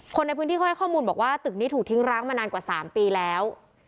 คนในพื้นที่เขาให้ข้อมูลบอกว่าตึกนี้ถูกทิ้งร้างมานานกว่า๓ปีแล้ว